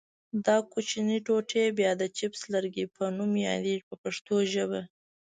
دا کوچنۍ ټوټې بیا د چپس لرګي په نوم یادیږي په پښتو ژبه.